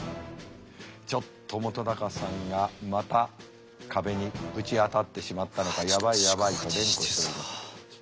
ちょっと本さんがまた壁にぶち当たってしまったのか「やばいやばい」と連呼しております。